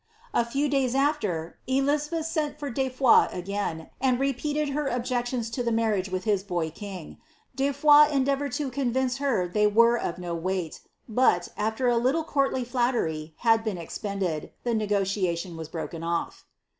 A few days after, Elizabeth sent for de Foys again, and repeated h6r objections to the marriage with his boy king. De Foys endeavoured to convince her they were of no weight, but, after a little courtly flattery had been expended, the negotiation was broken off.'